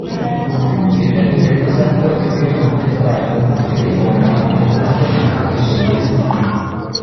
ibyo ntibibuza ko imwe mu myitwarire nko kwifunga mu mutwe(rigidite)